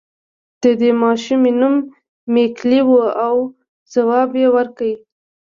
د دې ماشومې نوم ميکلي و او ځواب يې ورکړ.